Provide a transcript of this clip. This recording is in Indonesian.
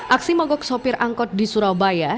aksi mogok sopir angkot di surabaya